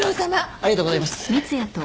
ありがとうございます。